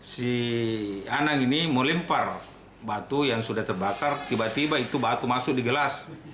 si anang ini melempar batu yang sudah terbakar tiba tiba itu batu masuk di gelas